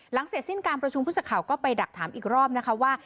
หลังเสร็จสิ้นการประชุมพุทธสาขาก็ไปดักถามอีกรอบนะครับว่า